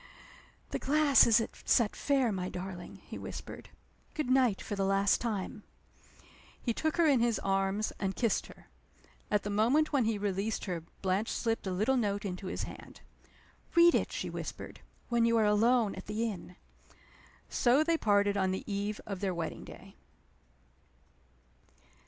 "The glass is at Set Fair, my darling," he whispered. "Good night for the last time!" He took her in his arms, and kissed her. At the moment when he released her Blanche slipped a little note into his hand. "Read it," she whispered, "when you are alone at the inn." So they parted on the eve of their wedding day.